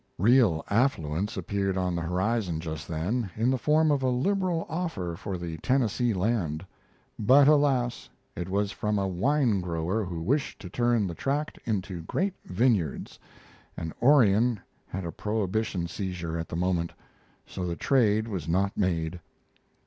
Real affluence appeared on the horizon just then, in the form of a liberal offer for the Tennessee land. But alas! it was from a wine grower who wished to turn the tract into great vineyards, and Orion had a prohibition seizure at the moment, so the trade was not made.